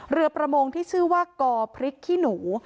เรือประมงที่ชื่อว่ากอพริกขี้หนู